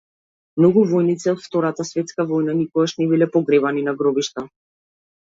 Многу војници од Втората светска војна никогаш не биле погребани на гробишта.